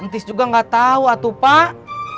tis juga gak tau atu pak